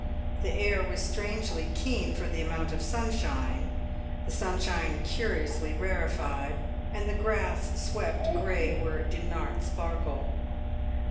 The air was strangely keen for the amount of sunshine, the sunshine curiously rarefied, and the grass swept grey where it did not sparkle.